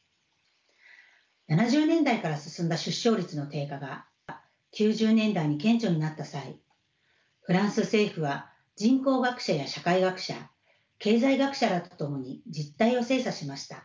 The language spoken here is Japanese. ７０年代から進んだ出生率の低下が９０年代に顕著になった際フランス政府は人口学者や社会学者経済学者らと共に実態を精査しました。